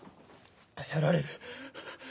やられる。